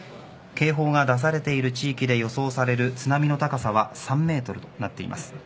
警報が出されている地域で予想される津波の高さは３メートルとなっています。